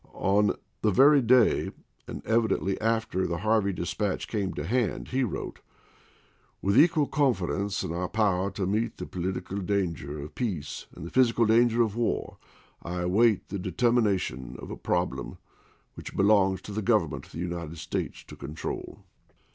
On the very day, and evidently after the Harvey dispatch came to hand, he wrote :" With equal confidence in our power to meet the political danger of peace and the physical danger of war, I await the deter mination of a problem which it belongs to the Grovernment of the United States to control."